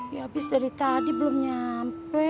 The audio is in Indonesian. ya habis dari tadi belum nyampe